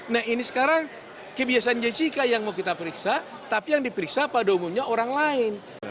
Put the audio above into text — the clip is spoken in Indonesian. nah ini sekarang kebiasaan jessica yang mau kita periksa tapi yang diperiksa pada umumnya orang lain